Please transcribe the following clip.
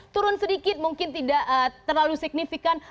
turun sedikit mungkin tidak terlalu signifikan